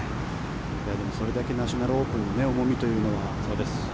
それだけナショナルオープンの重みというのは。